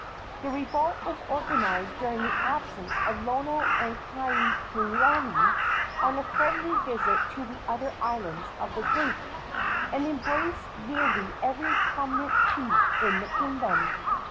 The revolt was organized during the absence of Lono and Kaikilani on a friendly visit to the other islands of the group, and embraced nearly every prominent chief in the kingdom.